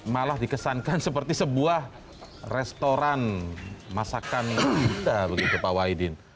malah dikesankan seperti sebuah restoran masakan kita begitu pak wahidin